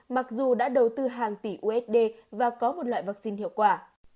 mặc dù đã đầu tư hàng tỷ usd và có một loại vaccine hiệu quả